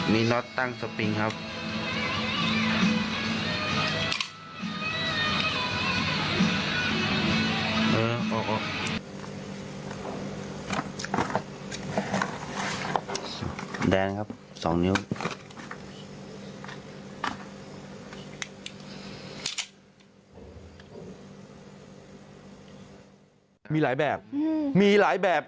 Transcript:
มีหลายแบบมีหลายแบบ